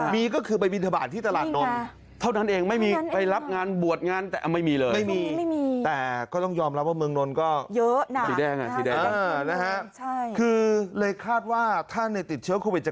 มีก็คือไปบินทบาทที่ตลาดนนท์เท่านั้นเองไม่มี